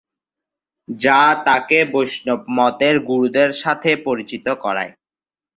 যা তাকে বৈষ্ণব মতের গুরুদের সাথে পরিচিত করায়।